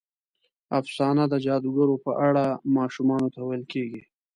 افسانه د جادوګرو په اړه ماشومانو ته ویل کېږي.